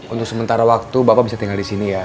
untuk sementara waktu bapak bisa tinggal disini ya